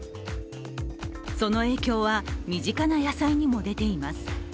その影響は、身近な野菜にも出ています。